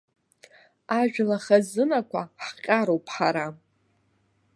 Ажәла хазынақәа ҳҟьароуп ҳара.